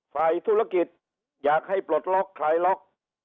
ฝ่ายธุรกิจอยากให้ปลดล็อกคลายล็อก